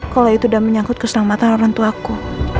kalau itu dan menyangkut keselamatan orang tuaku